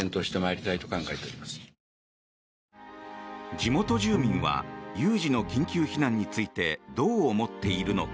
地元住民は有事の緊急避難についてどう思っているのか。